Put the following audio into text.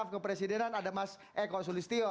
ke presidenan ada mas eko sulistio